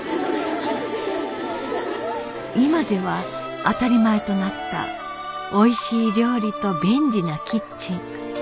今では当たり前となったおいしい料理と便利なキッチン